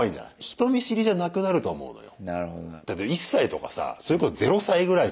人見知りじゃなくなると思うのよ。